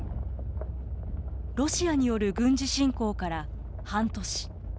ロシアによる軍事侵攻から半年。